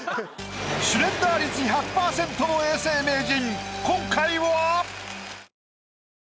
シュレッダー率１００％の永世名人